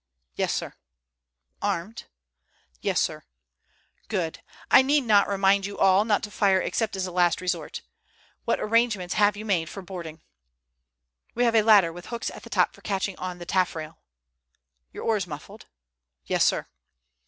"Yes, sir." "Armed?" "Yes, sir." "Good. I need not remind you all not to fire except as a last resort. What arrangements have you made for boarding?" "We have a ladder with hooks at the top for catching on the taffrail." "Your oars muffled?" "Yes, sir."